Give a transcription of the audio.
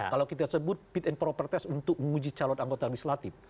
kalau kita sebut fit and proper test untuk menguji calon anggota legislatif